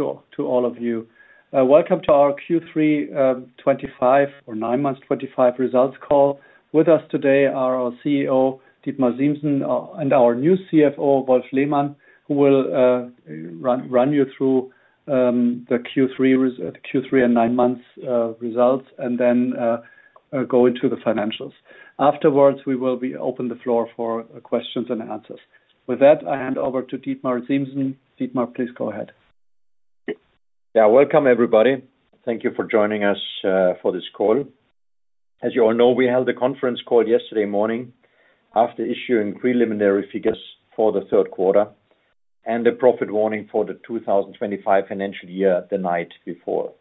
To all of you, welcome to our Q3 2025 or nine months 2025 results call. With us today are our CEO, Dietmar Siemssen, and our new CFO, Wolf Lehmann, who will run you through the Q3 and nine months results and then go into the financials. Afterwards, we will open the floor for questions and answers. With that, I hand over to Dietmar Siemssen. Dietmar, please go ahead. Yeah, welcome everybody. Thank you for joining us for this call. As you all know, we held a conference call yesterday morning after issuing preliminary figures for the third quarter and the profit warning for the 2025 financial year the night before.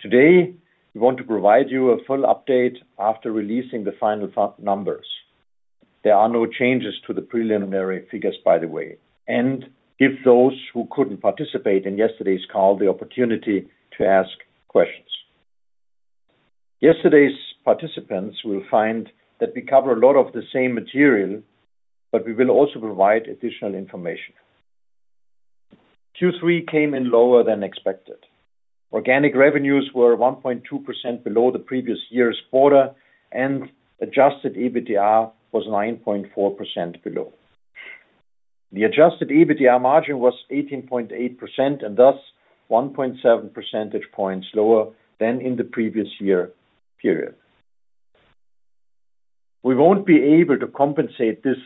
Today, we want to provide you a full update after releasing the final numbers. There are no changes to the preliminary figures, by the way, and give those who couldn't participate in yesterday's call the opportunity to ask questions. Yesterday's participants will find that we cover a lot of the same material, but we will also provide additional information. Q3 came in lower than expected. Organic revenues were 1.2% below the previous year's quarter, and adjusted EBITDA was 9.4% below. The adjusted EBITDA margin was 18.8% and thus 1.7 percentage points lower than in the previous year period. We won't be able to compensate this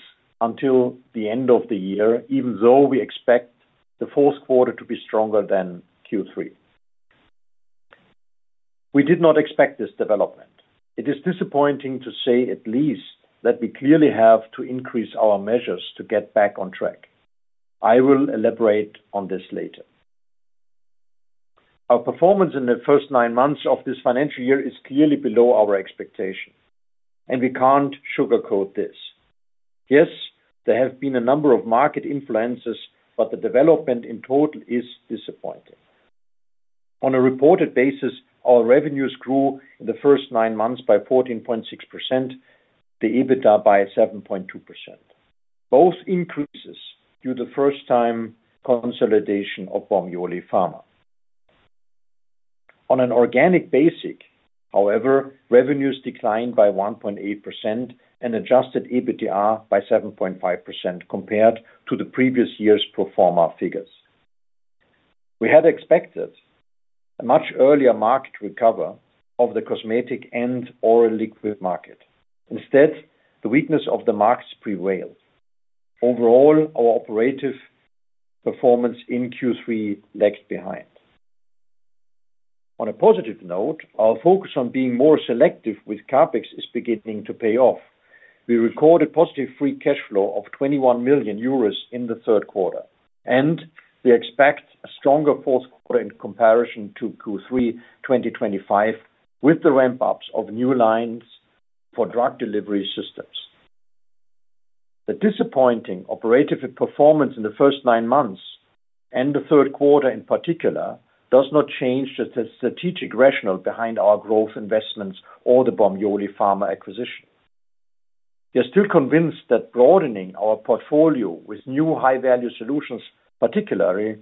until the end of the year, even though we expect the fourth quarter to be stronger than Q3. We did not expect this development. It is disappointing to say at least that we clearly have to increase our measures to get back on track. I will elaborate on this later. Our performance in the first nine months of this financial year is clearly below our expectation, and we can't sugarcoat this. Yes, there have been a number of market influences, but the development in total is disappointing. On a reported basis, our revenues grew in the first nine months by 14.6%, the EBITDA by 7.2%. Both increases due to the first-time consolidation of Bormioli Pharma. On an organic basis, however, revenues declined by 1.8% and adjusted EBITDA by 7.5% compared to the previous year's pro forma figures. We had expected a much earlier market recovery of the cosmetic and oral liquid market. Instead, the weakness of the markets prevailed. Overall, our operative performance in Q3 lagged behind. On a positive note, our focus on being more selective with CapEx is beginning to pay off. We recorded positive free cash flow of 21 million euros in the third quarter, and we expect a stronger fourth quarter in comparison to Q3 2025 with the ramp-ups of new lines for drug delivery systems. The disappointing operative performance in the first nine months and the third quarter in particular does not change the strategic rationale behind our growth investments or the Bormioli Pharma acquisition. We are still convinced that broadening our portfolio with new high-value solutions, particularly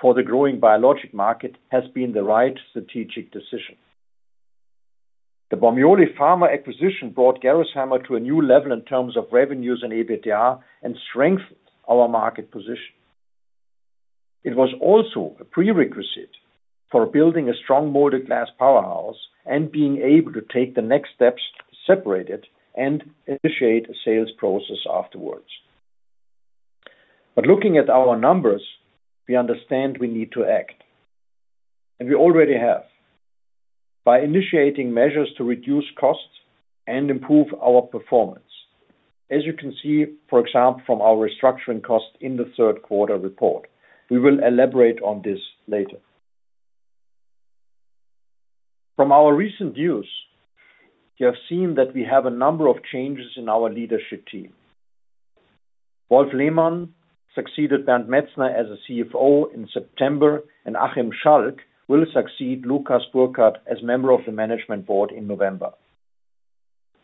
for the growing biologic market, has been the right strategic decision. The Bormioli Pharma acquisition brought Gerresheimer to a new level in terms of revenues and EBITDA and strengthened our market position. It was also a prerequisite for building a strong molded glass powerhouse and being able to take the next steps separated and initiate a sales process afterwards. Looking at our numbers, we understand we need to act, and we already have by initiating measures to reduce costs and improve our performance. As you can see, for example, from our restructuring costs in the third quarter report, we will elaborate on this later. From our recent news, you have seen that we have a number of changes in our leadership team. Wolf Lehmann succeeded Bernd Metzner as CFO in September, and Achim Schalk will succeed Lukas Burkhardt as a member of the Management Board in November.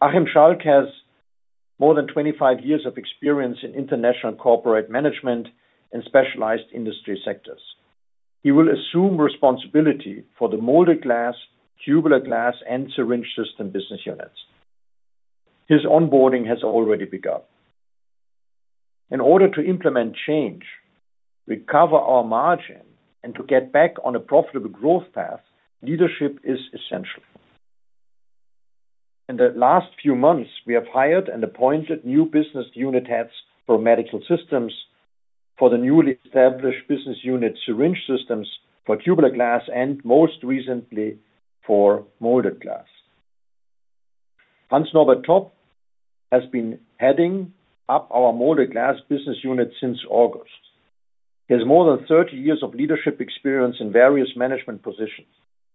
Achim Schalk has more than 25 years of experience in international corporate management and specialized industry sectors. He will assume responsibility for the molded glass, tubular glass, and syringe system business units. His onboarding has already begun. In order to implement change, recover our margin, and to get back on a profitable growth path, leadership is essential. In the last few months, we have hired and appointed new business unit heads for Medical Systems, for the newly established business unit Syringe Systems, for Tubular Glass, and most recently for Molded Glass. Hans-Norbert Topp has been heading up our Molded Glass business unit since August. He has more than 30 years of leadership experience in various management positions.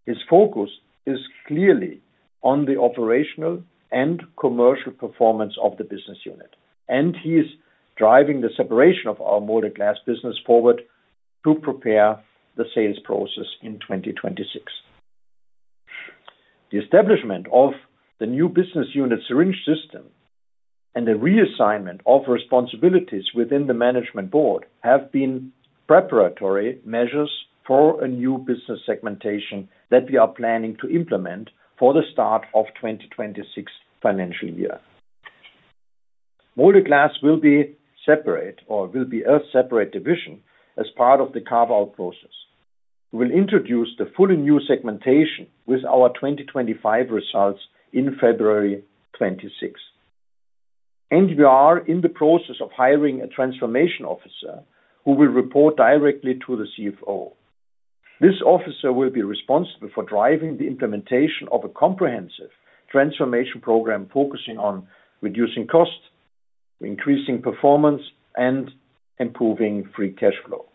His focus is clearly on the operational and commercial performance of the business unit, and he is driving the separation of our Molded Glass business forward to prepare the sales process in 2026. The establishment of the new business unit Syringe System and the reassignment of responsibilities within the Management Board have been preparatory measures for a new business segmentation that we are planning to implement for the start of the 2026 financial year. Molded Glass will be a separate division as part of the carve-out process. We will introduce the fully new segmentation with our 2025 results in February 2026. We are in the process of hiring a transformation officer who will report directly to the CFO. This officer will be responsible for driving the implementation of a comprehensive transformation program focusing on reducing costs, increasing performance, and improving free cash flow.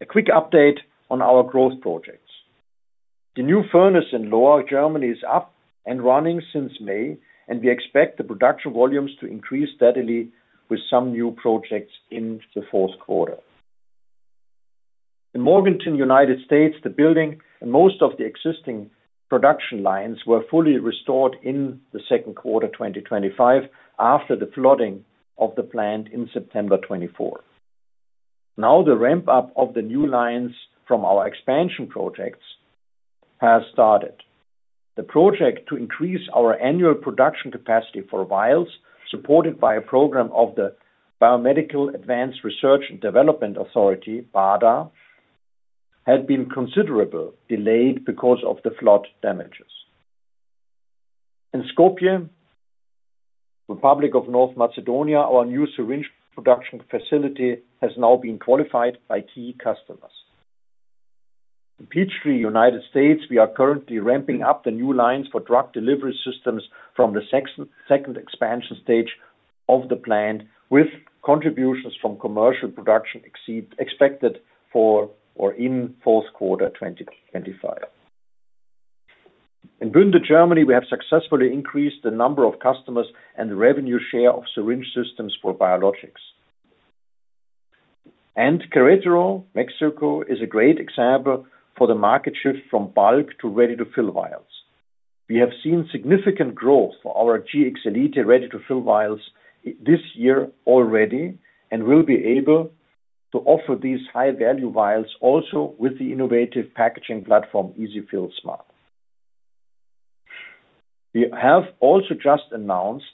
A quick update on our growth projects. The new furnace in Lohr, Germany, is up and running since May, and we expect the production volumes to increase steadily with some new projects in the fourth quarter. In Morganton, U.S., the building and most of the existing production lines were fully restored in the second quarter of 2025 after the flooding of the plant in September 2024. Now, the ramp-up of the new lines from our expansion projects has started. The project to increase our annual production capacity for vials, supported by a program of the Biomedical Advanced Research and Development Authority, BARDA, had been considerably delayed because of the flood damages. In Skopje, North Macedonia, our new syringe production facility has now been qualified by key customers. In Peachtree, U.S., we are currently ramping up the new lines for drug delivery systems from the second expansion stage of the plant with contributions from commercial production expected for or in fourth quarter 2025. In Bünde, Germany, we have successfully increased the number of customers and the revenue share of syringe systems for biologics. Querétaro, Mexico, is a great example for the market shift from bulk to ready-to-fill vials. We have seen significant growth for our Gx Elite Ready-to-Fill Vials this year already and will be able to offer these high-value vials also with the innovative packaging platform EZ-fill Smart. We have also just announced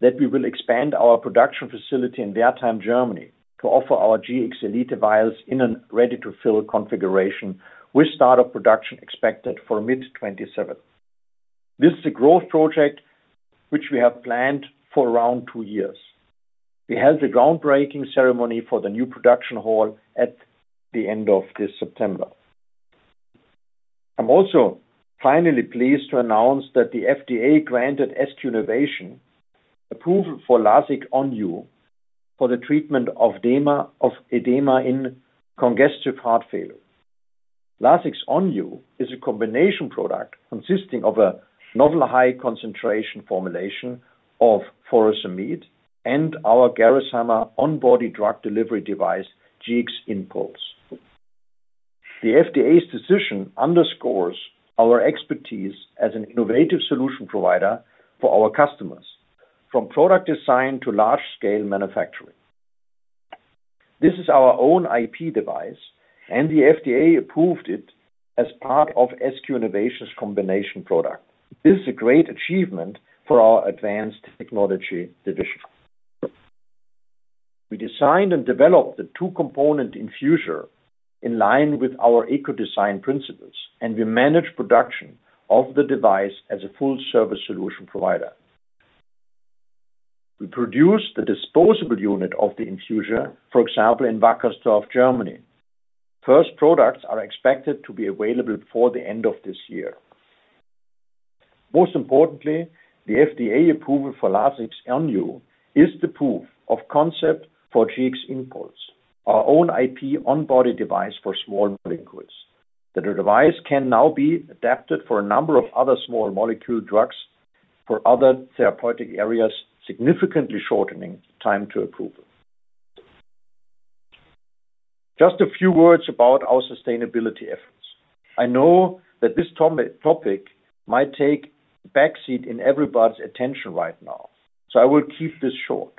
that we will expand our production facility in Wertheim, Germany, to offer our Gx Elite vials in a ready-to-fill configuration with startup production expected for mid-2027. This is a growth project which we have planned for around two years. We held a groundbreaking ceremony for the new production hall at the end of this September. I'm also finally pleased to announce that the FDA granted S2 Innovation approval for Lasix ONYU for the treatment of edema in congestive heart failure. Lasix ONYU is a combination product consisting of a novel high-concentration formulation of furosemide and our Gerresheimer on-body drug delivery device Gx InPuls. The FDA's decision underscores our expertise as an innovative solution provider for our customers from product design to large-scale manufacturing. This is our own IP device, and the FDA approved it as part of S2 Innovation's combination product. This is a great achievement for our advanced technology division. We designed and developed the two-component infuser in line with our eco-design principles, and we manage production of the device as a full-service solution provider. We produce the disposable unit of the infuser, for example, in Wackersdorf, Germany. First products are expected to be available before the end of this year. Most importantly, the FDA approval for Lasix ONYU is the proof of concept for Gx InPuls, our own IP on-body device for small molecules. The device can now be adapted for a number of other small molecule drugs for other therapeutic areas, significantly shortening time to approval. Just a few words about our sustainability efforts. I know that this topic might take a backseat in everybody's attention right now, so I will keep this short.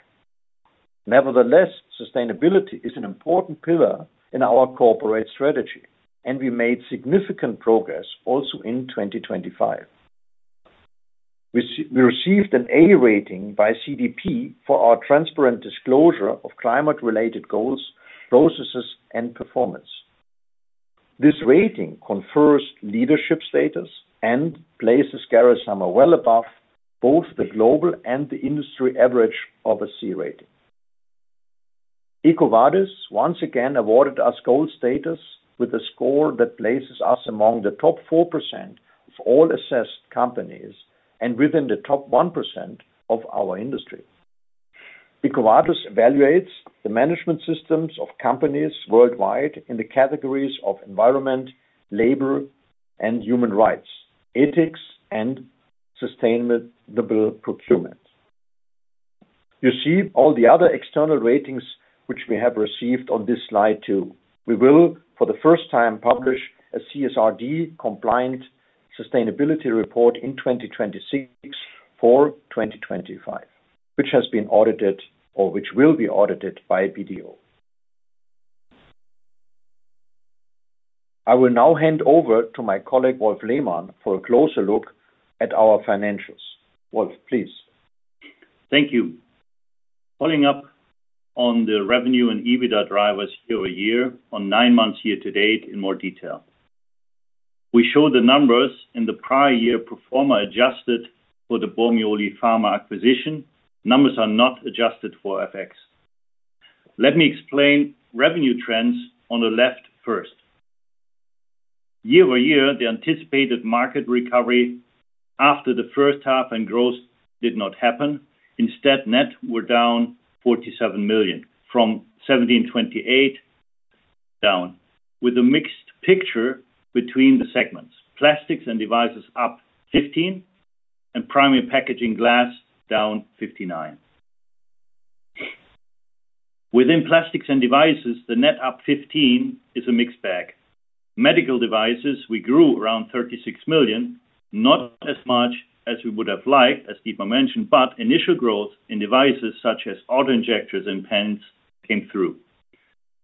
Nevertheless, sustainability is an important pillar in our corporate strategy, and we made significant progress also in 2025. We received an A rating by CDP for our transparent disclosure of climate-related goals, processes, and performance. This rating confers leadership status and places Gerresheimer well above both the global and the industry average of a C rating. EcoVadis once again awarded us gold status with a score that places us among the top 4% of all assessed companies and within the top 1% of our industry. EcoVadis evaluates the management systems of companies worldwide in the categories of environment, labor, and human rights, ethics, and sustainable procurement. You see all the other external ratings which we have received on this slide too. We will, for the first time, publish a CSRD-compliant sustainability report in 2026 for 2025, which has been audited or which will be audited by BDO. I will now hand over to my colleague Wolf Lehmann for a closer look at our financials. Wolf, please. Thank you. Following up on the revenue and EBITDA drivers year-over-year, on nine months year to date in more detail, we show the numbers in the prior year pro forma adjusted for the Bormioli Pharma acquisition. Numbers are not adjusted for FX. Let me explain revenue trends on the left first. year-over-year, the anticipated market recovery after the first half and growth did not happen. Instead, net were down $47 million from $1,728 million down, with a mixed picture between the segments. Plastics and devices up $15 million, and primary packaging glass down $59 million. Within Plastics and Devices, the net up $15 million is a mixed bag. Medical devices, we grew around $36 million, not as much as we would have liked, as Dietmar mentioned, but initial growth in devices such as autoinjectors and pens came through.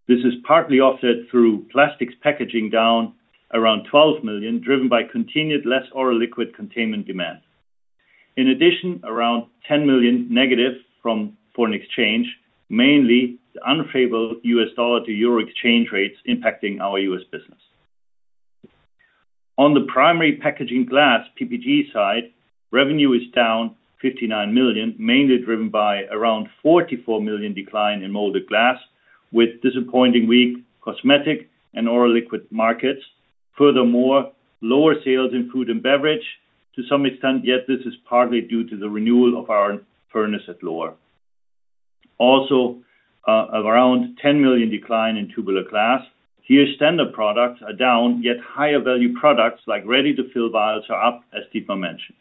This is partly offset through plastics packaging down around $12 million, driven by continued less oral liquid containment demand. In addition, around $10 million- from foreign exchange, mainly the unfavorable U.S. dollar to euro exchange rates impacting our U.S. business. On the Primary Packaging Glass, PPG side, revenue is down $59 million, mainly driven by around $44 million decline in molded glass, with disappointing weak cosmetic and oral liquid markets. Furthermore, lower sales in food and beverage to some extent, yet this is partly due to the renewal of our furnace at Lohr. Also, around $10 million decline in tubular glass. Here, standard products are down, yet higher value products like ready-to-fill vials are up, as Dietmar mentioned.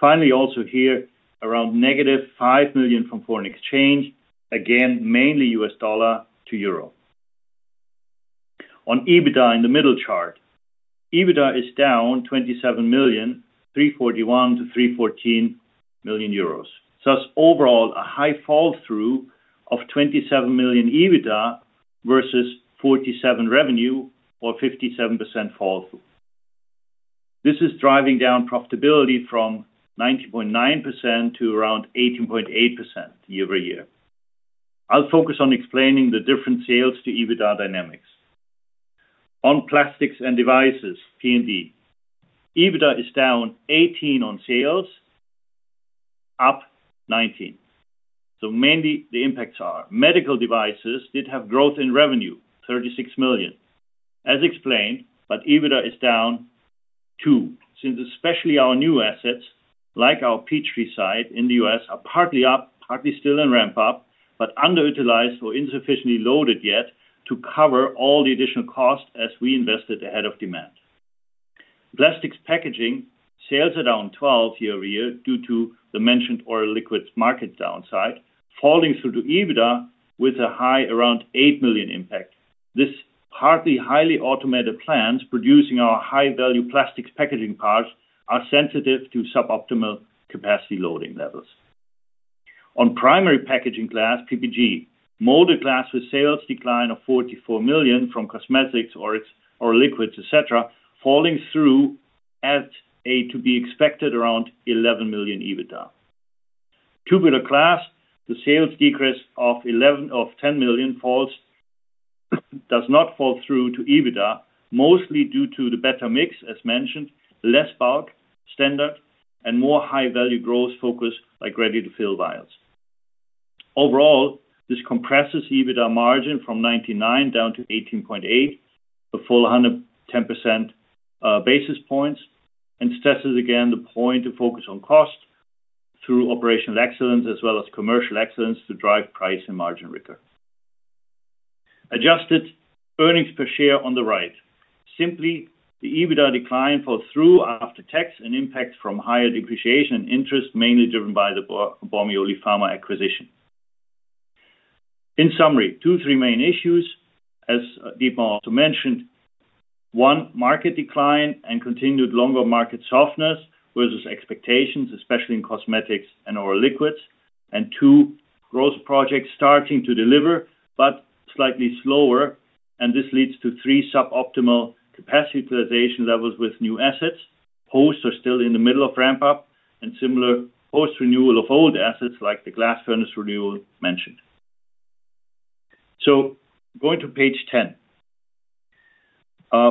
Finally, also here, around -$5 million from foreign exchange, again, mainly U.S. dollar to euro. On EBITDA in the middle chart, EBITDA is down $27 million, $341 million to $314 million. Thus, overall, a high fall through of $27 million EBITDA versus $47 million revenue or 57% fall through. This is driving down profitability from 19.9% to around 18.8% year-over-year. I'll focus on explaining the different sales to EBITDA dynamics. On Plastics and Devices, P&D, EBITDA is down $18 million on sales, up $19 million. Mainly the impacts are medical devices did have growth in revenue, $36 million, as explained, but EBITDA is down $2 million, since especially our new assets, like our Peachtree site in the U.S., are partly up, partly still in ramp-up, but underutilized or insufficiently loaded yet to cover all the additional costs as we invested ahead of demand. Plastics packaging sales are down $12 million year-over-year due to the mentioned oral liquids market downside, falling through to EBITDA with a high around $8 million impact. This partly highly automated plants producing our high-value plastics packaging parts are sensitive to suboptimal capacity loading levels. On Primary Packaging Glass, PPG, molded glass with sales decline of $44 million from cosmetics, oral liquids, et cetera, falling through as to be expected around $11 million EBITDA. Tubular glass, the sales decrease of $10 million does not fall through to EBITDA, mostly due to the better mix, as mentioned, less bulk, standard, and more high-value growth focus like ready-to-fill vials. Overall, this compresses EBITDA margin from 19.9% down to 18.8%, a full 110 basis points, and stresses again the point to focus on cost through operational excellence as well as commercial excellence to drive price and margin recurrence. Adjusted earnings per share on the right. Simply, the EBITDA decline fell through after tax and impacts from higher depreciation and interest, mainly driven by the Bormioli Pharma acquisition. In summary, two, three main issues, as Dietmar also mentioned. One, market decline and continued longer market softness versus expectations, especially in cosmetics and oral liquids. Two, growth projects starting to deliver, but slightly slower, and this leads to three, suboptimal capacity utilization levels with new assets. Hosts are still in the middle of ramp-up and similar host renewal of old assets like the glass furnace renewal mentioned. Going to page 10.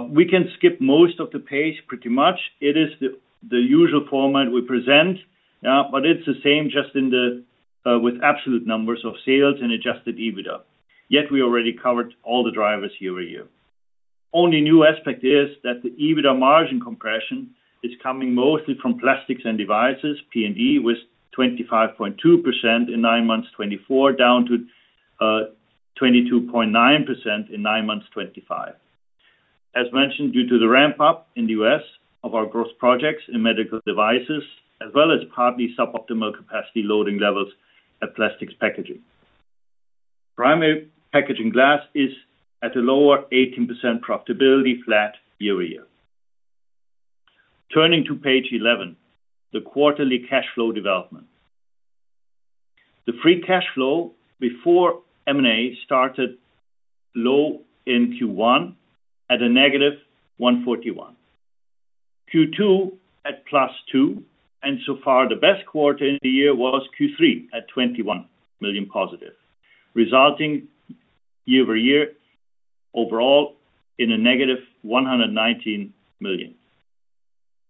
We can skip most of the page pretty much. It is the usual format we present, but it's the same just with absolute numbers of sales and adjusted EBITDA. We already covered all the drivers year-over-year. Only a new aspect is that the EBITDA margin compression is coming mostly from Plastics & Devices, P&D, with 25.2% in nine months 2024, down to 22.9% in nine months 2025. As mentioned, due to the ramp-up in the U.S. of our growth projects in medical devices, as well as partly suboptimal capacity loading levels at plastics packaging. Primary Packaging Glass is at a lower 18% profitability, flat year-over-year. Turning to page 11, the quarterly cash flow development. The free cash flow before M&A started low in Q1 at a -$141 million. Q2 at +$2 million, and so far the best quarter in the year was Q3 at $21 million+, resulting year-over-year, overall in a -$119 million.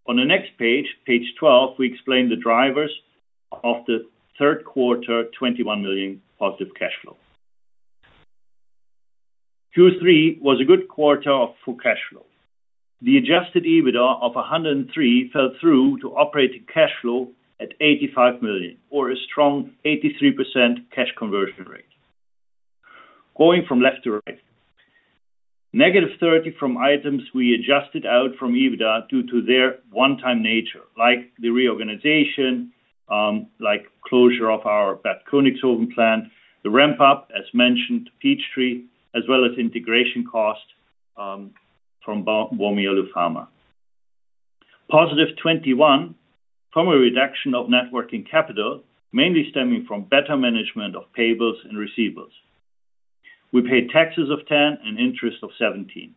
On the next page, page 12, we explain the drivers of the third quarter $21 million+ cash flow. Q3 was a good quarter for cash flow. The adjusted EBITDA of $103 million fell through to operating cash flow at $85 million, or a strong 83% cash conversion rate. Going from left to right, -30% from items we adjusted out from EBITDA due to their one-time nature, like the reorganization, like closure of our Bad Königshofen plant, the ramp-up, as mentioned, Peachtree, as well as integration cost from Bormioli Pharma. +21%, primary reduction of networking capital, mainly stemming from better management of payables and receivables. We paid taxes of 10% and interest of 17%.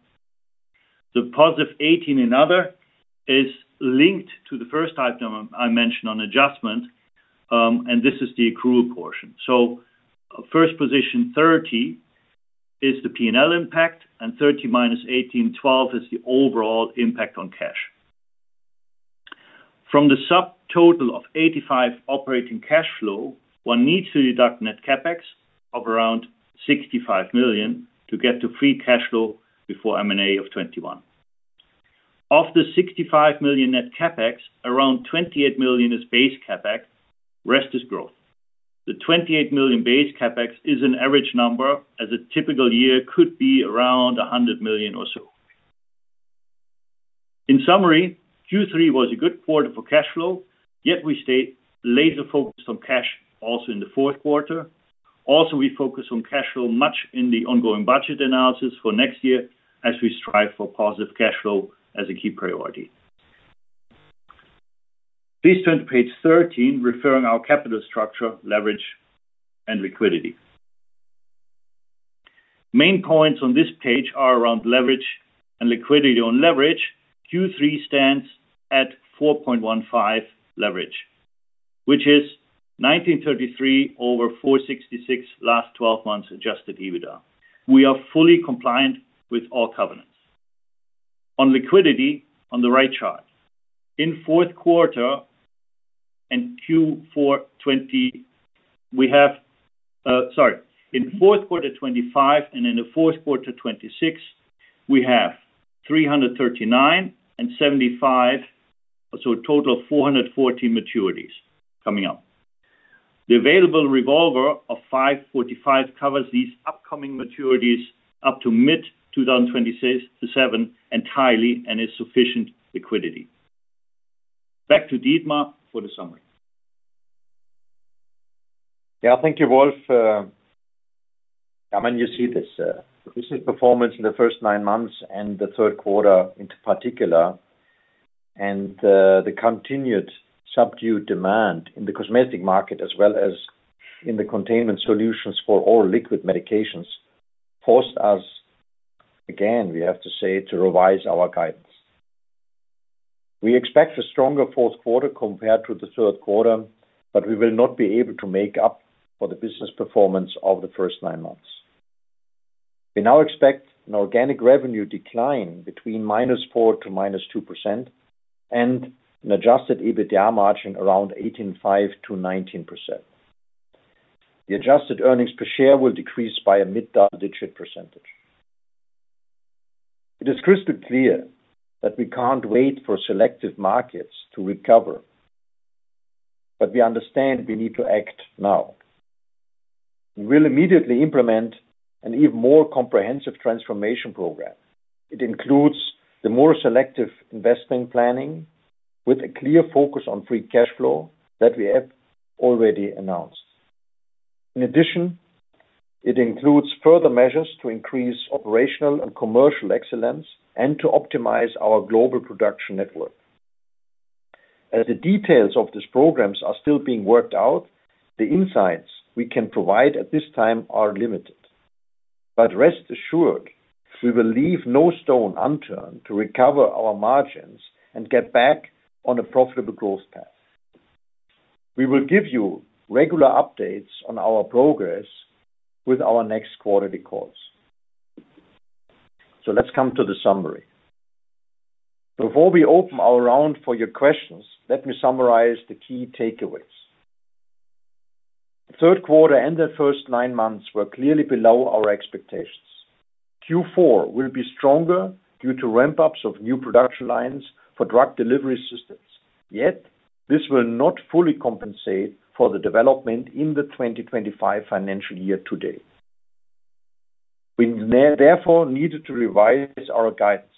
The +18% in other is linked to the first item I mentioned on adjustment, and this is the accrual portion. First position 30% is the P&L impact, and 30%, -18%, 12% is the overall impact on cash. From the subtotal of 85 operating cash flow, one needs to deduct net CapEx of around $65 million to get to free cash flow before M&A of 21. Of the $65 million net CapEx, around $28 million is base CapEx, rest is growth. The $28 million base CapEx is an average number as a typical year could be around $100 million or so. In summary, Q3 was a good quarter for cash flow, yet we stayed laser-focused on cash also in the fourth quarter. Also, we focused on cash flow much in the ongoing budget analysis for next year as we strive for positive cash flow as a key priority. Please turn to page 13, referring to our capital structure, leverage, and liquidity. Main points on this page are around leverage and liquidity. On leverage, Q3 stands at 4.15 leverage, which is 1933 over 466 last 12 months adjusted EBITDA. We are fully compliant with all covenants. On liquidity, on the right chart, in fourth quarter and Q4 20, we have, sorry, in fourth quarter 2025 and in the fourth quarter 2026, we have 339 and 75, so a total of 414 maturities coming up. The available revolver of 545 covers these upcoming maturities up to mid-2026 to 2027 entirely and is sufficient liquidity. Back to Dietmar for the summary. Yeah, thank you, Wolf. I mean, you see this. This is performance in the first nine months and the third quarter in particular. The continued subdued demand in the cosmetic market, as well as in the containment solutions for all liquid medications, forced us, again, we have to say, to revise our guidance. We expect a stronger fourth quarter compared to the third quarter, but we will not be able to make up for the business performance of the first nine months. We now expect an organic revenue decline between-4% to -2% and an adjusted EBITDA margin around 18.5%-19%. The adjusted earnings per share will decrease by a mid-digit percentage. It is crystal clear that we can't wait for selective markets to recover, but we understand we need to act now. We will immediately implement an even more comprehensive transformation program. It includes the more selective investment planning with a clear focus on free cash flow that we have already announced. In addition, it includes further measures to increase operational and commercial excellence and to optimize our global production network. As the details of these programs are still being worked out, the insights we can provide at this time are limited. Rest assured, we will leave no stone unturned to recover our margins and get back on a profitable growth path. We will give you regular updates on our progress with our next quarterly calls. Let's come to the summary. Before we open our round for your questions, let me summarize the key takeaways. Third quarter and the first nine months were clearly below our expectations. Q4 will be stronger due to ramp-ups of new production lines for drug delivery systems, yet this will not fully compensate for the development in the 2025 financial year to date. We therefore needed to revise our guidance.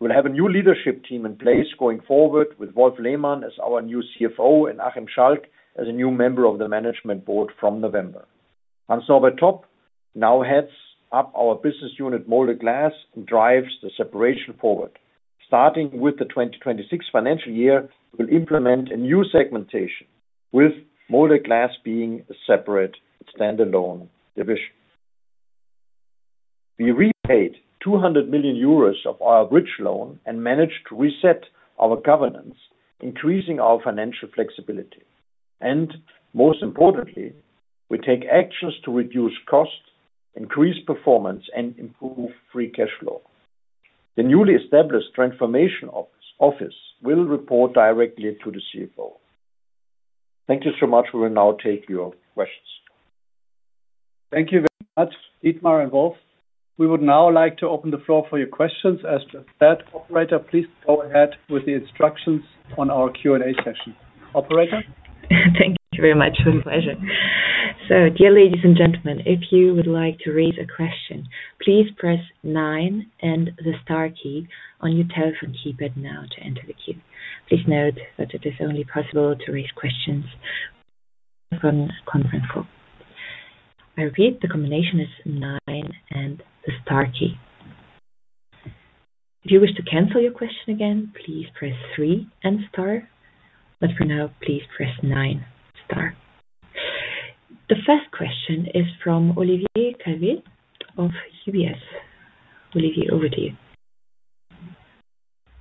We'll have a new leadership team in place going forward with Wolf Lehmann as our new CFO and Achim Schalk as a new member of the Management Board from November. Hans-Norbert Topp now heads up our business unit Molded Glass and drives the separation forward. Starting with the 2026 financial year, we'll implement a new segmentation with Molded Glass being a separate standalone division. We repaid 200 million euros of our bridge loan and managed to reset our governance, increasing our financial flexibility. Most importantly, we take actions to reduce cost, increase performance, and improve free cash flow. The newly established Transformation Office will report directly to the CFO. Thank you so much. We will now take your questions. Thank you very much, Dietmar and Wolf. We would now like to open the floor for your questions. As the stat operator, please go ahead with the instructions on our Q&A session. Operator? Thank you very much. It's a pleasure. Dear ladies and gentlemen, if you would like to raise a question, please press nine and the star key on your telephone keypad now to enter the queue. Please note that it is only possible to raise questions on the conference call. I repeat, the combination is nine and the star key. If you wish to cancel your question again, please press three and star. For now, please press nine and star. The first question is from Olivier Calvet of UBS. Olivier, over to you.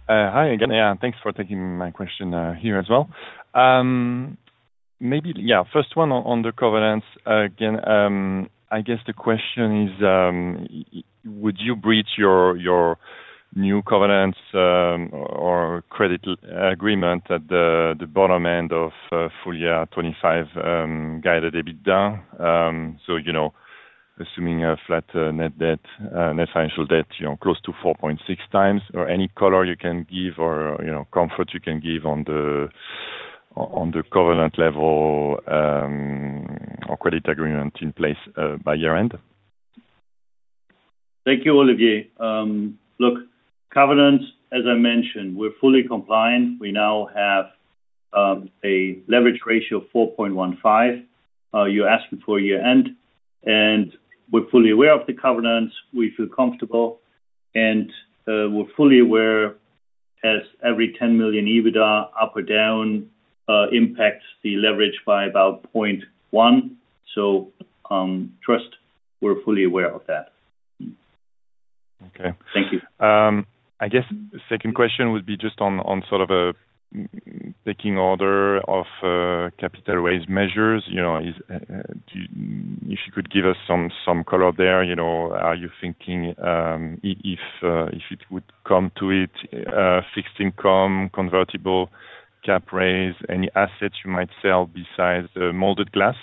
Hi again. Thanks for taking my question here as well. Maybe, first one on the covenants. I guess the question is, would you breach your new covenants or credit agreement at the bottom end of full year 2025 guided EBITDA? Assuming a flat net debt, net financial debt, close to 4.6x, or any color you can give or comfort you can give on the covenant level or credit agreement in place by year end? Thank you, Olivier. Look, covenants, as I mentioned, we're fully compliant. We now have a leverage ratio of 4.15x. You asked before year end, and we're fully aware of the covenants. We feel comfortable, and we're fully aware as every $10 million EBITDA up or down impacts the leverage by about 0.1x. Trust, we're fully aware of that. Okay. Thank you. I guess the second question would be just on sort of a pecking order of capital raise measures. If you could give us some color there, are you thinking if it would come to it, fixed income, convertible cap raise, any assets you might sell besides the molded glass?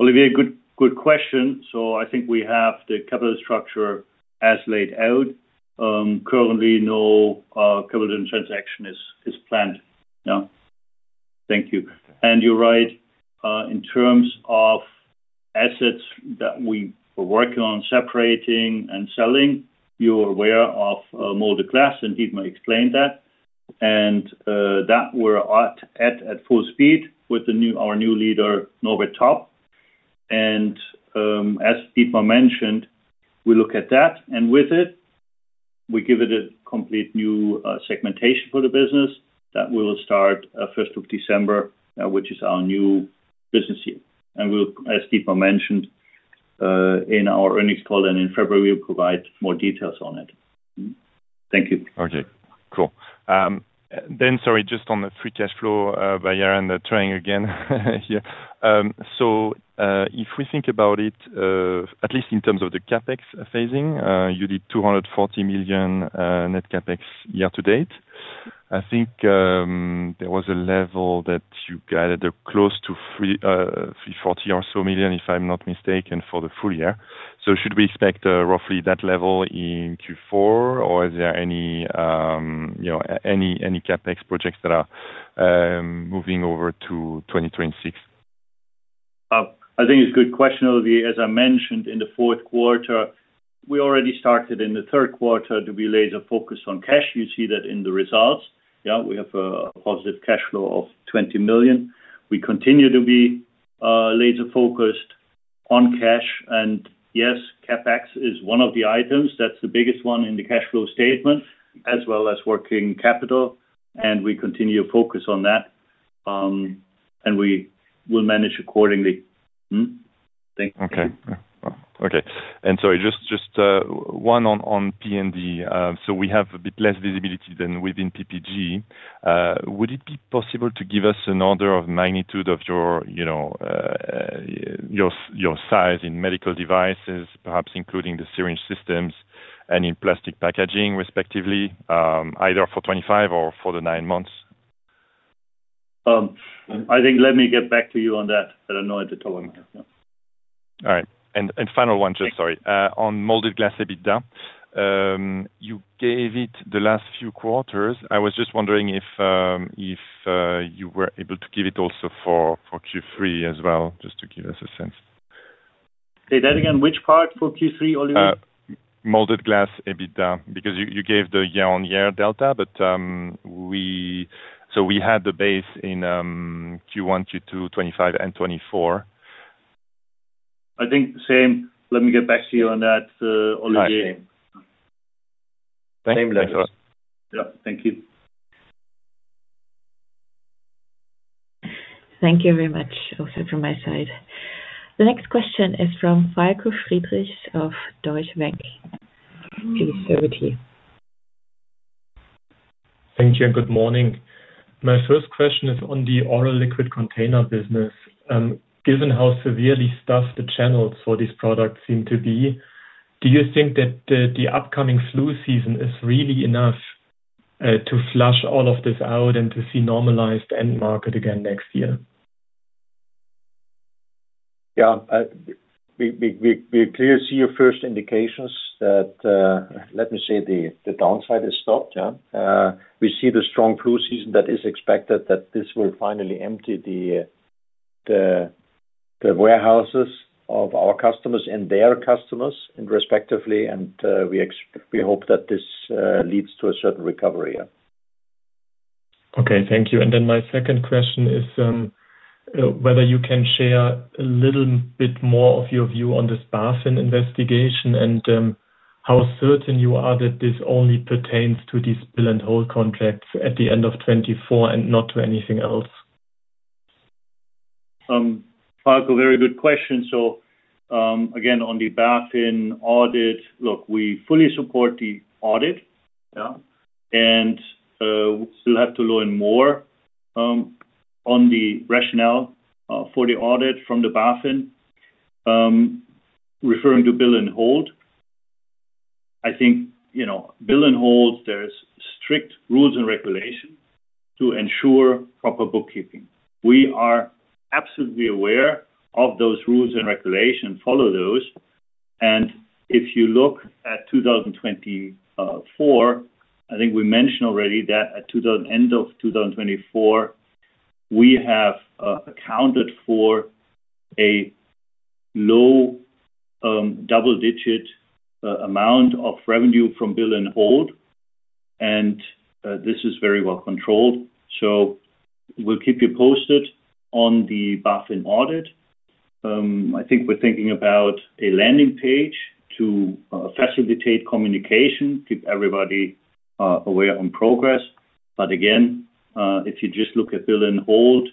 Olivier, good question. I think we have the capital structure as laid out. Currently, no covenant transaction is planned. Thank you. You're right. In terms of assets that we were working on separating and selling, you're aware of molded glass, and Dietmar explained that. We're at full speed with our new leader, Norbert Topp. As Dietmar mentioned, we look at that, and with it, we give it a complete new segmentation for the business that will start 1st December, which is our new business year. As Dietmar mentioned in our earnings call and in February, we'll provide more details on it. Thank you. Okay, cool. Just on the free cash flow by year end, trying again here. If we think about it, at least in terms of the CapEx phasing, you did $240 million net CapEx year to date. I think there was a level that you guided close to $340 million, if I'm not mistaken, for the full year. Should we expect roughly that level in Q4, or is there any CapEx projects that are moving over to 2026? I think it's a good question, Olivier. As I mentioned, in the fourth quarter, we already started in the third quarter to be laser-focused on cash. You see that in the results. We have a positive cash flow of $20 million. We continue to be laser-focused on cash. Yes, CapEx is one of the items. That's the biggest one in the cash flow statement, as well as working capital. We continue to focus on that, and we will manage accordingly. Okay. Sorry, just one on P&D. We have a bit less visibility than within PPG. Would it be possible to give us an order of magnitude of your size in medical devices, perhaps including the syringe systems and in plastic packaging, respectively, either for 2025 or for the nine months? Let me get back to you on that. I don't know at the top of my head. All right. Final one, just sorry, on molded glass EBITDA. You gave it the last few quarters. I was just wondering if you were able to give it also for Q3 as well, just to give us a sense. Say that again. Which part for Q3, Olivier? Molded glass EBITDA, because you gave the year-on-year delta, but we had the base in Q1, Q2, 2025, and 2024. I think same. Let me get back to you on that, Olivier. Thank you. Same level. Yeah. Thank you. Thank you very much, also from my side. The next question is from Falko Friedrichs of Deutsche Bank. Please, over to you. Thank you and good morning. My first question is on the oral liquid container business. Given how severely stuffed the channels for these products seem to be, do you think that the upcoming flu season is really enough to flush all of this out and to see normalized end market again next year? Yeah, we clearly see your first indications that, let me say, the downside is stopped. We see the strong flu season that is expected, that this will finally empty the warehouses of our customers and their customers respectively, and we hope that this leads to a certain recovery. Thank you. My second question is whether you can share a little bit more of your view on this BaFin investigation and how certain you are that this only pertains to these bill-and-hold contracts at the end of 2024 and not to anything else. Falk, a very good question. Again, on the BaFin audit, look, we fully support the audit, and we still have to learn more on the rationale for the audit from BaFin. Referring to bill-and-hold, I think, you know, bill-and-hold, there are strict rules and regulations to ensure proper bookkeeping. We are absolutely aware of those rules and regulations, follow those. If you look at 2024, I think we mentioned already that at the end of 2024, we have accounted for a low double-digit amount of revenue from bill-and-hold, and this is very well controlled. We'll keep you posted on the BaFin audit. I think we're thinking about a landing page to facilitate communication, keep everybody aware on progress. If you just look at bill-and-hold,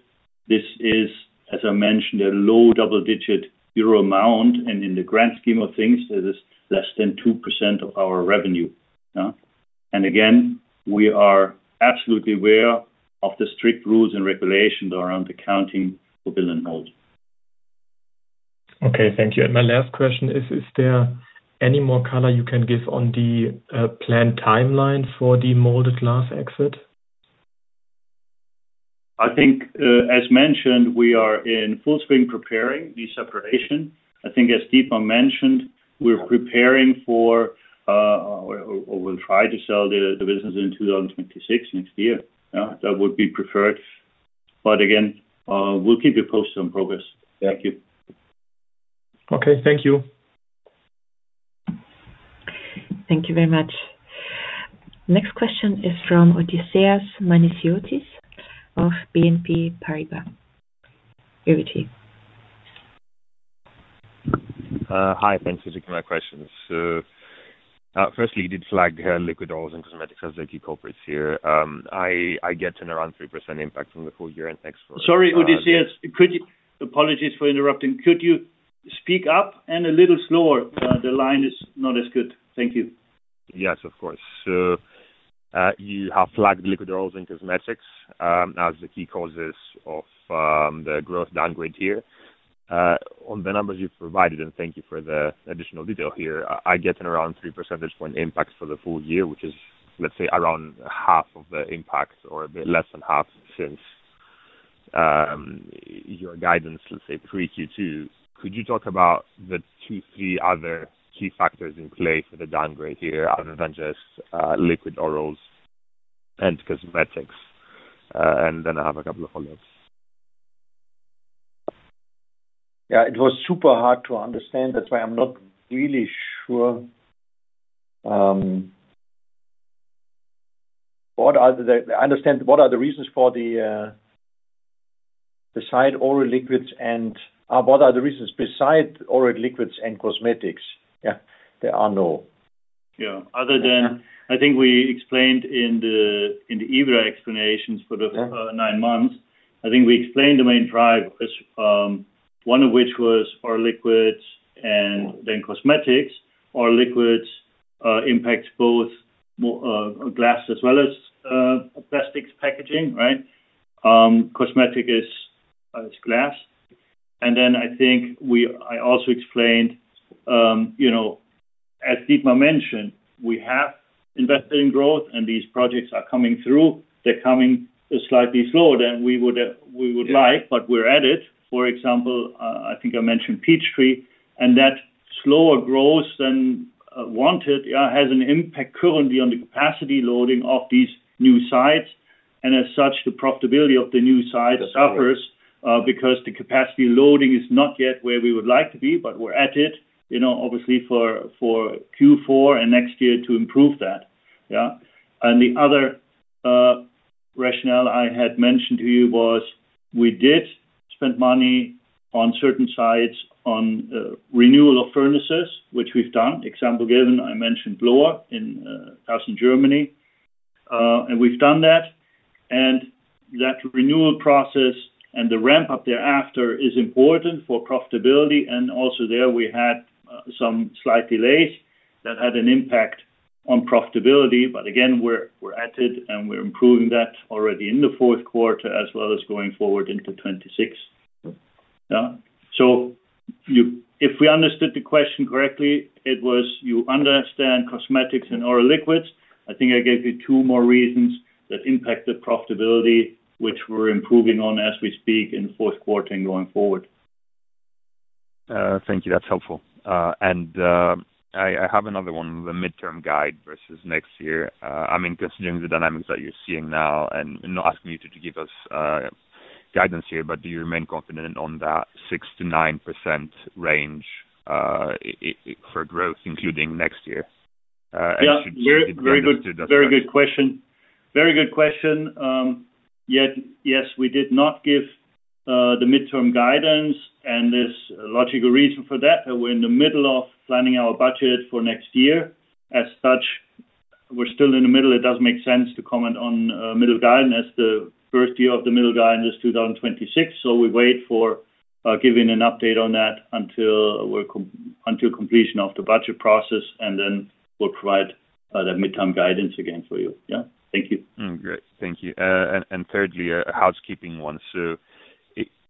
this is, as I mentioned, a low double-digit euro amount, and in the grand scheme of things, it is less than 2% of our revenue. Again, we are absolutely aware of the strict rules and regulations around accounting for bill-and-hold. Okay, thank you. My last question is, is there any more color you can give on the planned timeline for the molded glass exit? I think, as mentioned, we are in full swing preparing the separation. I think, as Dietmar mentioned, we're preparing for, or we'll try to sell the business in 2026, next year. That would be preferred. Again, we'll keep you posted on progress. Thank you. Okay, thank you. Thank you very much. Next question is from Odysseas Manesiotis of BNP Paribas. Over to you. Hi, thanks for taking my questions. Firstly, you did flag liquid oils and cosmetics as the key corporates here. I get an around 3% impact from the full year and export. Sorry, Odysseas, could you... Apologies for interrupting. Could you speak up and a little slower? The line is not as good. Thank you. Yes, of course. You have flagged liquid oils and cosmetics as the key causes of the growth downgrade here. On the numbers you've provided, and thank you for the additional detail here, I get an around 3% impact for the full year, which is, let's say, around half of the impact or a bit less than half since your guidance, let's say, pre-Q2. Could you talk about the two or three other key factors in play for the downgrade here other than just liquid oils and cosmetics? I have a couple of follow-ups. Yeah, it was super hard to understand. That's why I'm not really sure what are the reasons beside oral liquids and cosmetics. Yeah, there are no. Yeah, other than I think we explained in the EBITDA explanations for the nine months, I think we explained the main drivers, one of which was our liquids and then cosmetics. Our liquids impact both glass as well as plastics packaging, right? Cosmetic is glass. I think I also explained, you know, as Dietmar mentioned, we have invested in growth and these projects are coming through. They're coming slightly slower than we would like, but we're at it. For example, I think I mentioned Peachtree, and that slower growth than wanted has an impact currently on the capacity loading of these new sites. As such, the profitability of the new site suffers because the capacity loading is not yet where we would like to be, but we're at it, you know, obviously for Q4 and next year to improve that. The other rationale I had mentioned to you was we did spend money on certain sites on renewal of furnaces, which we've done. Example given, I mentioned Lohr in Germany, and we've done that. That renewal process and the ramp-up thereafter is important for profitability. Also, there we had some slight delays that had an impact on profitability. Again, we're at it and we're improving that already in the fourth quarter as well as going forward into 2026. If we understood the question correctly, it was you understand cosmetics and oral liquids. I think I gave you two more reasons that impacted profitability, which we're improving on as we speak in the fourth quarter and going forward. Thank you. That's helpful. I have another one, the midterm guide versus next year. I mean, considering the dynamics that you're seeing now and not asking you to give us guidance here, but do you remain confident on that 6%-9% range for growth, including next year? Very good question. Yes, we did not give the midterm guidance, and there's a logical reason for that. We're in the middle of planning our budget for next year. As such, we're still in the middle. It doesn't make sense to comment on midterm guidance as the first year of the midterm guidance is 2026. We wait for giving an update on that until completion of the budget process, and then we'll provide that midterm guidance again for you. Thank you. Great. Thank you. Thirdly, a housekeeping one.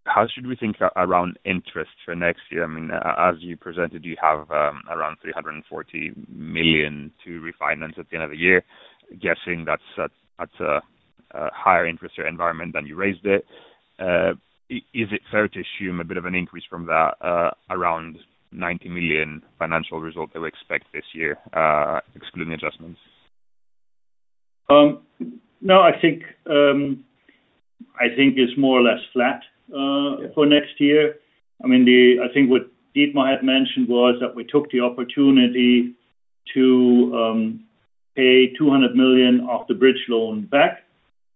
How should we think around interest for next year? I mean, as you presented, you have around 340 million to refinance at the end of the year. Guessing that's at a higher interest rate environment than you raised it. Is it fair to assume a bit of an increase from that around 90 million financial result that we expect this year, excluding adjustments? No, I think it's more or less flat for next year. I mean, I think what Dietmar had mentioned was that we took the opportunity to pay 200 million of the bridge loan back,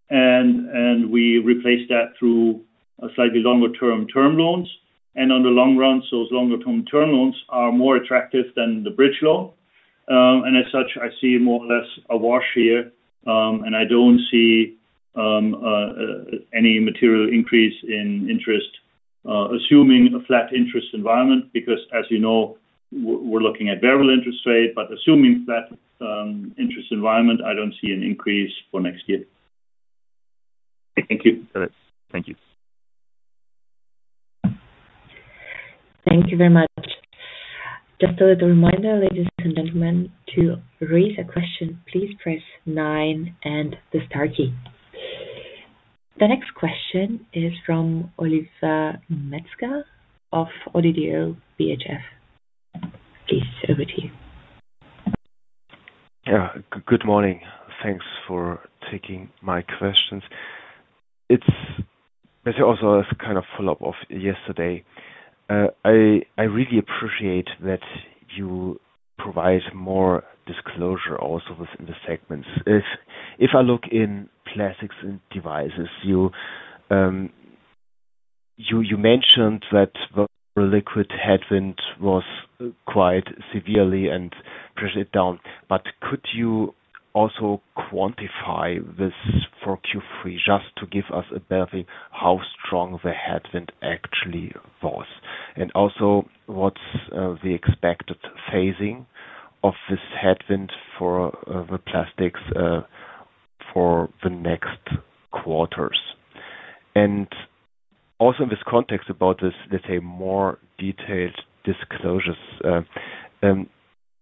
and we replaced that through slightly longer-term term loans. In the long run, those longer-term term loans are more attractive than the bridge loan. As such, I see more or less a wash here, and I don't see any material increase in interest, assuming a flat interest environment, because as you know, we're looking at variable interest rate. Assuming a flat interest environment, I don't see an increase for next year. Thank you. Thank you. Thank you very much. Just a little reminder, ladies and gentlemen, to raise a question, please press nine and the star key. The next question is from Oliver Metzger of ODDO BHF. Please over to you. Yeah, good morning. Thanks for taking my questions. It's also a kind of follow-up of yesterday. I really appreciate that you provide more disclosure also within the segments. If I look in plastics and devices, you mentioned that the liquid headwind was quite severe and pressed it down. Could you also quantify this for Q3 just to give us a better view how strong the headwind actually was? What's the expected phasing of this headwind for the plastics for the next quarters? Also, in this context about this, let's say more detailed disclosures,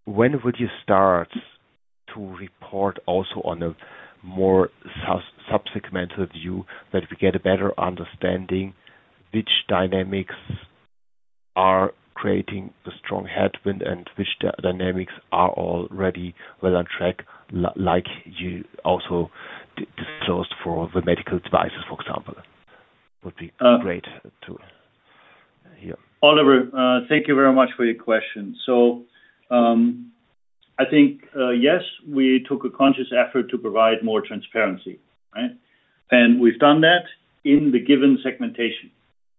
when would you start to report also on a more subsegmental view that we get a better understanding which dynamics are creating the strong headwind and which dynamics are already well on track, like you also disclosed for the medical devices, for example, would be great to hear. Oliver, thank you very much for your question. I think, yes, we took a conscious effort to provide more transparency, right? We've done that in the given segmentation.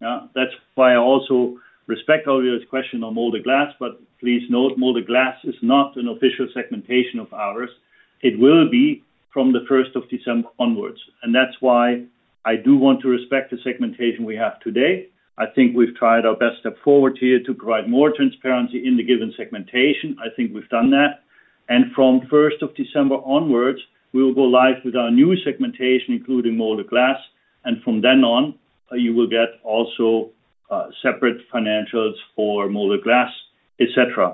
I also respect Olivier's question on molded glass, but please note, molded glass is not an official segmentation of ours. It will be from 1st of December onwards. I do want to respect the segmentation we have today. I think we've tried our best step forward here to provide more transparency in the given segmentation. I think we've done that. From 1st of December onwards, we will go live with our new segmentation, including molded glass. From then on, you will get also separate financials for molded glass, etc.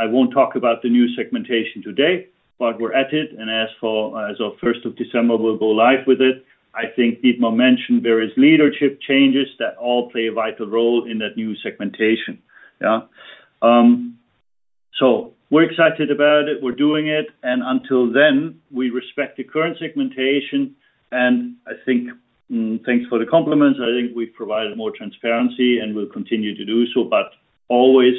I won't talk about the new segmentation today, but we're at it. As of 1st ofDecember 1, we'll go live with it. I think Dietmar mentioned various leadership changes that all play a vital role in that new segmentation. We're excited about it. We're doing it. Until then, we respect the current segmentation. Thanks for the compliments, I think we've provided more transparency and we'll continue to do so, but always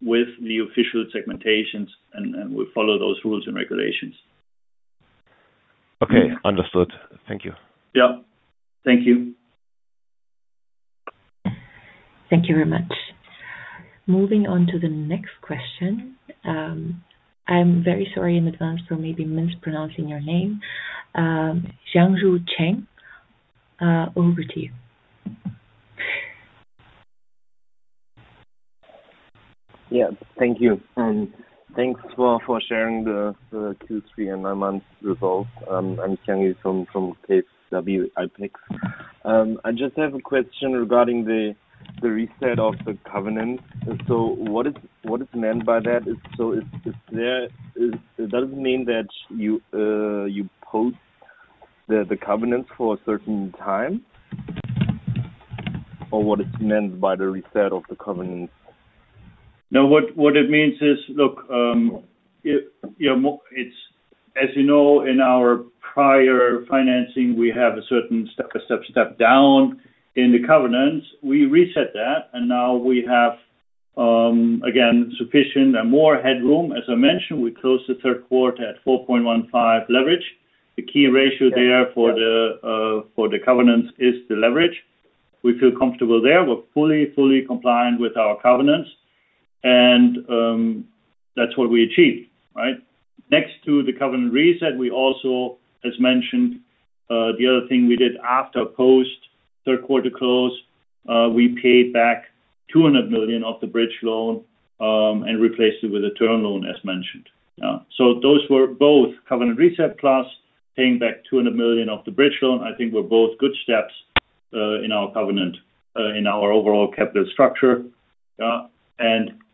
with the official segmentations and we'll follow those rules and regulations. Okay, understood. Thank you. Thank you. Thank you very much. Moving on to the next question. I'm very sorry in advance for maybe mispronouncing your name. Xiangru Cheng, over to you. Thank you. Thanks for sharing the Q3 and nine months results. I'm Xiangru Cheng from KSW IPEX. I just have a question regarding the reset of the covenant. What is meant by that? Does it mean that you pause the covenants for a certain time or what does it mean by the reset of the covenants? No, what it means is, look, you know, as you know, in our prior financing, we have a certain step down in the covenants. We reset that, and now we have, again, sufficient and more headroom. As I mentioned, we closed the third quarter at 4.15x leverage. The key ratio there for the covenants is the leverage. We feel comfortable there. We're fully, fully compliant with our covenants. That's what we achieved, right? Next to the covenant reset, we also, as mentioned, the other thing we did after post third quarter close, we paid back 200 million of the bridge loan and replaced it with a term loan, as mentioned. Yeah, those were both covenant reset plus paying back 200 million of the bridge loan. I think we're both good steps in our covenant in our overall capital structure. Yeah,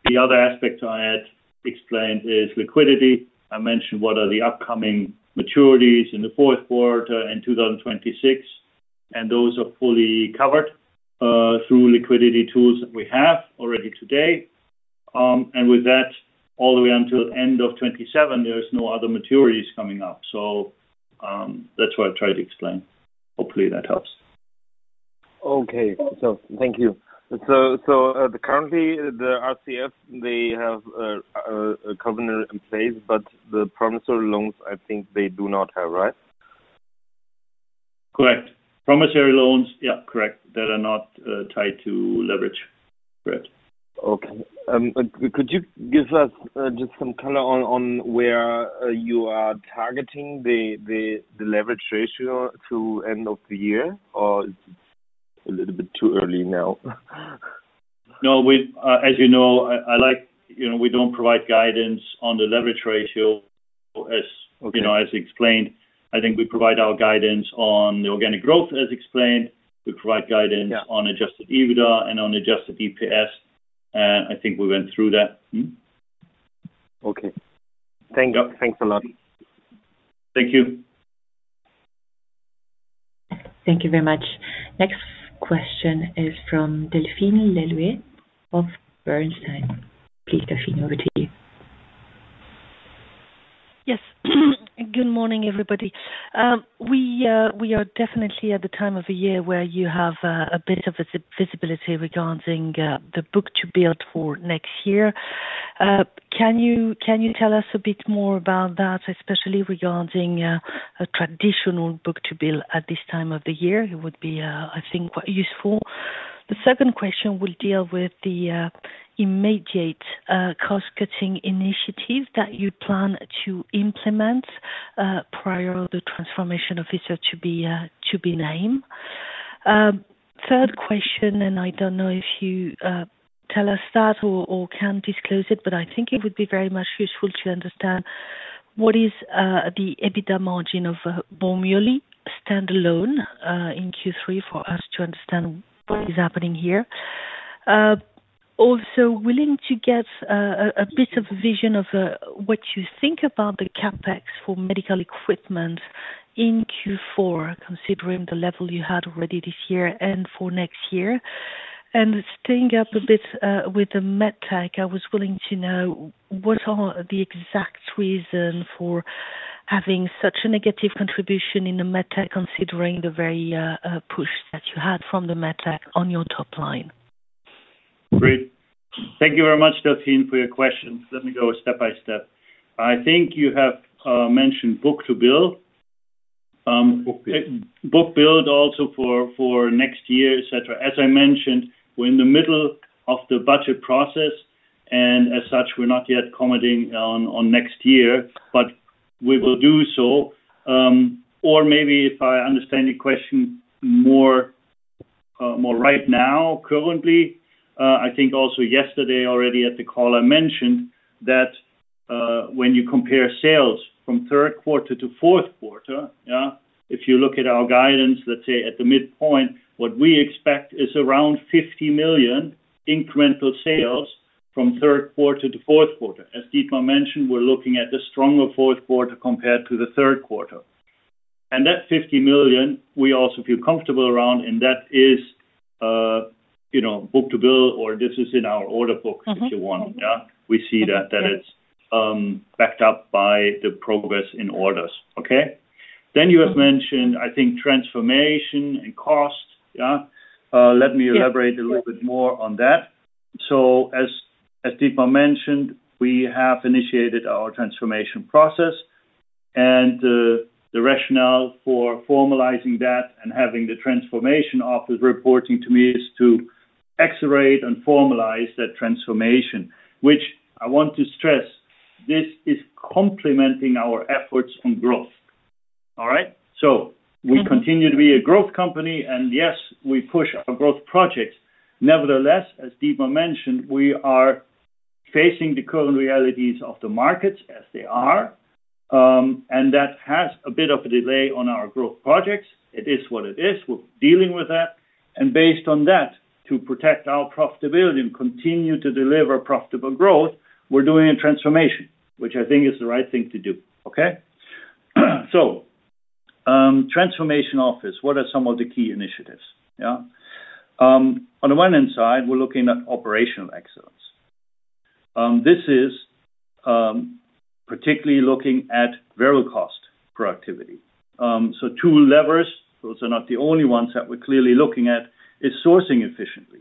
the other aspect I had explained is liquidity. I mentioned what are the upcoming maturities in the fourth quarter in 2026, and those are fully covered through liquidity tools that we have already today. With that, all the way until the end of 2027, there's no other maturities coming up. That's what I tried to explain. Hopefully, that helps. Thank you. Currently, the RCF, they have a covenant in place, but the promissory loans, I think they do not have, right? Correct. Promissory loans, yeah, correct, that are not tied to leverage. Correct. Okay. Could you give us just some color on where you are targeting the leverage ratio to end of the year, or it's a little bit too early now? No, as you know, we don't provide guidance on the leverage ratio. As you know, as explained, I think we provide our guidance on the organic growth, as explained. We provide guidance on adjusted EBITDA and on adjusted EPS. I think we went through that. Okay, thanks a lot. Thank you. Thank you very much. Next question is from Delphine Le Louët of Bernstein. Please, Delphine, over to you. Yes. Good morning, everybody. We are definitely at the time of the year where you have a bit of visibility regarding the book to build for next year. Can you tell us a bit more about that, especially regarding a traditional book to build at this time of the year? It would be, I think, quite useful. The second question will deal with the immediate cost-cutting initiatives that you plan to implement prior to the transformation of Vista to be named. Third question, and I don't know if you tell us that or can disclose it, but I think it would be very much useful to understand what is the EBITDA margin of Bormioli, standalone in Q3, for us to understand what is happening here. Also, willing to get a bit of a vision of what you think about the CapEx for medical equipment in Q4, considering the level you had already this year and for next year. Staying up a bit with the MedTech, I was willing to know what are the exact reasons for having such a negative contribution in the MedTech, considering the very push that you had from the MedTech on your top line? Great. Thank you very much, Delphine, for your questions. Let me go step by step. I think you have mentioned book to build. Book build also for next year, et cetera. As I mentioned, we're in the middle of the budget process, and as such, we're not yet commenting on next year, but we will do so. If I understand your question more right now, currently, I think also yesterday already at the call, I mentioned that when you compare sales from third quarter to fourth quarter, if you look at our guidance, let's say at the midpoint, what we expect is around 50 million incremental sales from third quarter to fourth quarter. As Dietmar mentioned, we're looking at the stronger fourth quarter compared to the third quarter. That 50 million, we also feel comfortable around, and that is, you know, book to bill, or this is in our order books if you want. We see that it's backed up by the progress in orders. You have mentioned, I think, transformation and cost. Let me elaborate a little bit more on that. As Dietmar mentioned, we have initiated our transformation process, and the rationale for formalizing that and having the transformation office reporting to me is to accelerate and formalize that transformation, which I want to stress, this is complementing our efforts on growth. We continue to be a growth company, and yes, we push our growth projects. Nevertheless, as Dietmar mentioned, we are facing the current realities of the markets as they are, and that has a bit of a delay on our growth projects. It is what it is. We're dealing with that. Based on that, to protect our profitability and continue to deliver profitable growth, we're doing a transformation, which I think is the right thing to do. Transformation office, what are some of the key initiatives? On the one hand side, we're looking at operational excellence. This is particularly looking at variable cost productivity. Two levers, those are not the only ones that we're clearly looking at, are sourcing efficiently.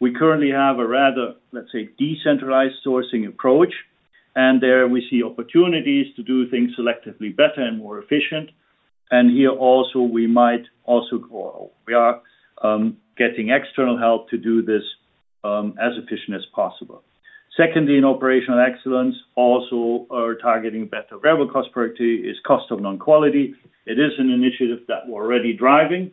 We currently have a rather, let's say, decentralized sourcing approach, and there we see opportunities to do things selectively better and more efficient. Here also, we might also go, we are getting external help to do this as efficient as possible. Secondly, in operational excellence, also targeting better variable cost productivity is cost of non-quality. It is an initiative that we're already driving,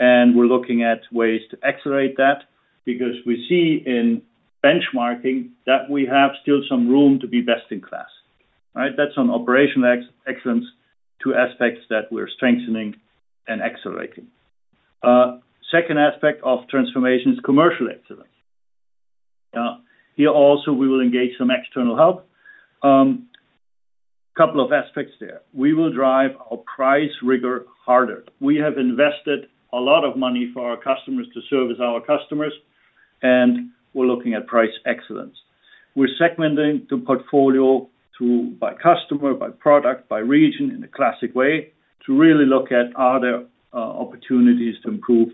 and we're looking at ways to accelerate that because we see in benchmarking that we have still some room to be best in class. That's on operational excellence, two aspects that we're strengthening and accelerating. Second aspect of transformation is commercial excellence. Here also, we will engage some external help. A couple of aspects there. We will drive our price rigor harder. We have invested a lot of money for our customers to service our customers, and we're looking at price excellence. We're segmenting the portfolio by customer, by product, by region in a classic way to really look at other opportunities to improve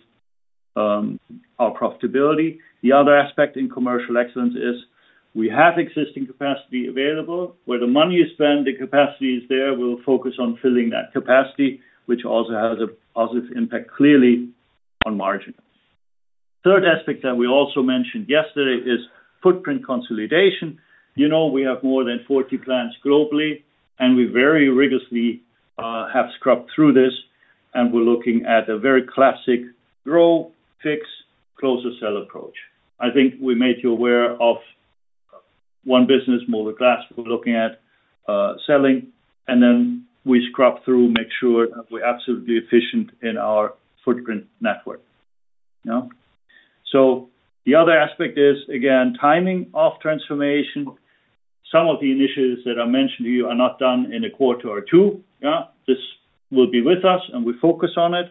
our profitability. The other aspect in commercial excellence is we have existing capacity available. Where the money is spent, the capacity is there. We'll focus on filling that capacity, which also has a positive impact clearly on margin. Third aspect that we also mentioned yesterday is footprint consolidation. You know, we have more than 40 plants globally, and we very rigorously have scrubbed through this, and we're looking at a very classic grow, fix, close or sell approach. I think we made you aware of one business, molded glass, we're looking at selling, and then we scrub through, make sure that we're absolutely efficient in our footprint network. The other aspect is, again, timing of transformation. Some of the initiatives that I mentioned to you are not done in a quarter or two. This will be with us, and we focus on it.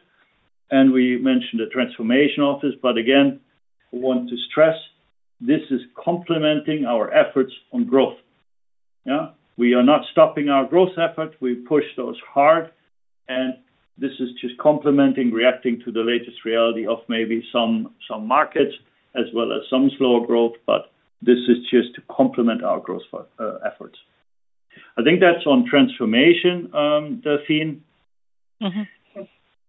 We mentioned the transformation office, but again, I want to stress this is complementing our efforts on growth. We are not stopping our growth effort. We push those hard, and this is just complementing, reacting to the latest reality of maybe some markets as well as some slower growth, but this is just to complement our growth efforts. I think that's on transformation, Delphine.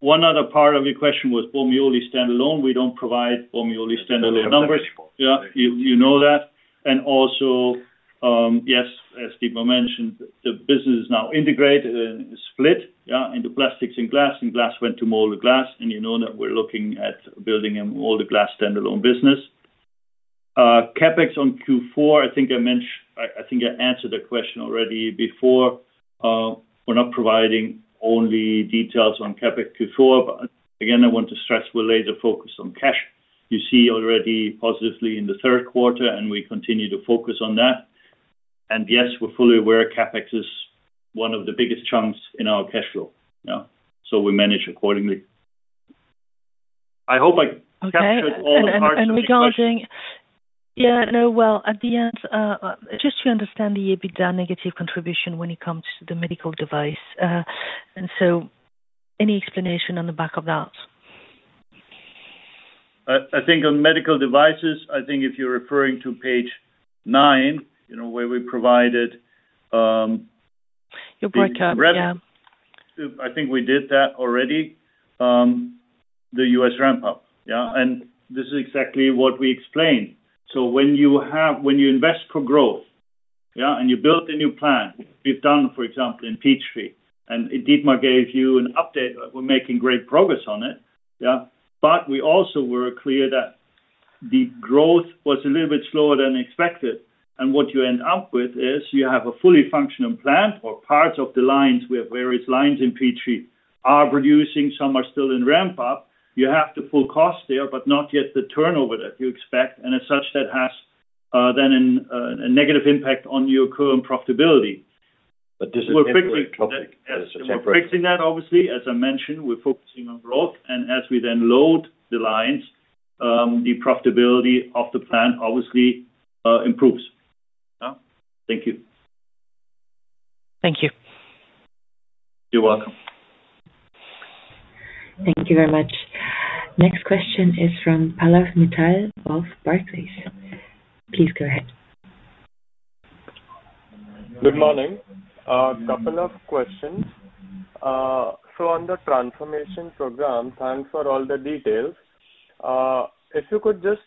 One other part of your question was Bormioli standalone. We don't provide Bormioli standalone numbers. You know that. Also, yes, as Dietmar mentioned, the business is now integrated and split into plastics and glass, and glass went to molded glass, and you know that we're looking at building a molded glass standalone business. CapEx on Q4, I think I mentioned, I think I answered the question already before. We're not providing only details on CapEx Q4, but again, I want to stress we're laser-focused on cash. You see already positively in the third quarter, and we continue to focus on that. Yes, we're fully aware CapEx is one of the biggest chunks in our cash flow, so we manage accordingly. I hope I captured all the parts. Yeah, no, at the end, just to understand the EBITDA negative contribution when it comes to the medical device. Any explanation on the back of that? I think on medical devices, if you're referring to page nine, where we provided. Your breakout, yeah. I think we did that already, the U.S. ramp-up. Yeah, and this is exactly what we explained. When you invest for growth, yeah, and you build a new plant, we've done, for example, in Peachtree, and Dietmar gave you an update. We're making great progress on it. Yeah, we also were clear that the growth was a little bit slower than expected. What you end up with is you have a fully functioning plant or parts of the lines. We have various lines in Peachtree are producing. Some are still in ramp-up. You have the full cost there, but not yet the turnover that you expect. As such, that has then a negative impact on your current profitability. This is what we're fixing, obviously. As I mentioned, we're focusing on growth, and as we then load the lines, the profitability of the plant obviously improves. Yeah, thank you. Thank you. You're welcome. Thank you very much. Next question is from Pallav Mittal of Barclays. Please go ahead. Good morning. A couple of questions. On the transformation program, thanks for all the details. If you could just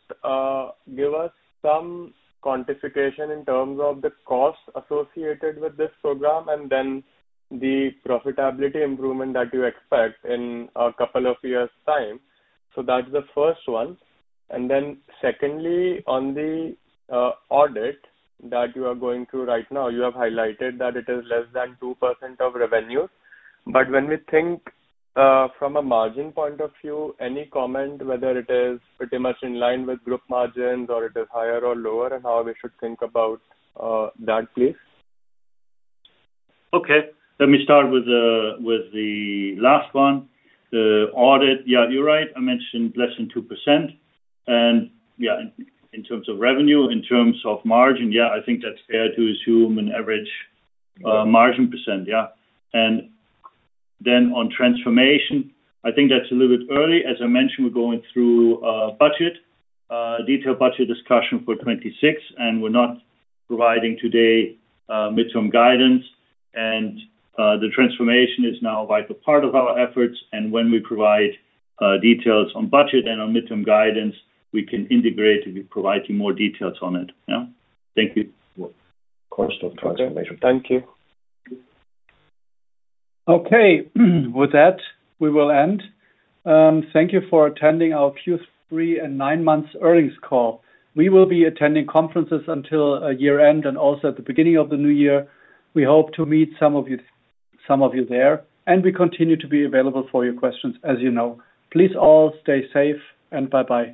give us some quantification in terms of the costs associated with this program and then the profitability improvement that you expect in a couple of years' time, that's the first one. Secondly, on the audit that you are going through right now, you have highlighted that it is less than 2% of revenue. When we think from a margin point of view, any comment whether it is pretty much in line with group margins or it is higher or lower and how we should think about that place? Okay, let me start with the last one. The audit, yeah, you're right. I mentioned less than 2%. In terms of revenue, in terms of margin, I think that's fair to assume an average margin percentage. On transformation, I think that's a little bit early. As I mentioned, we're going through a detailed budget discussion for 2026, and we're not providing today midterm guidance. The transformation is now a vital part of our efforts. When we provide details on budget and on midterm guidance, we can integrate to provide you more details on it. Thank you. Of course, Dr. Thank you. Okay, with that, we will end. Thank you for attending our Q3 and nine months earnings call. We will be attending conferences until year end and also at the beginning of the new year. We hope to meet some of you there, and we continue to be available for your questions, as you know. Please all stay safe and bye-bye.